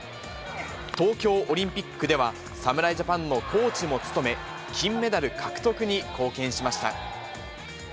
東京オリンピックでは侍ジャパンのコーチも務め、金メダル獲得に貢献しました。